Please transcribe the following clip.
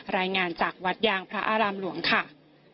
รายงานจากวัดยางพระอารามหลวงค่ะ